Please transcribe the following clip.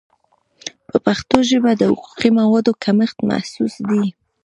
په پښتو ژبه د حقوقي موادو کمښت محسوس دی.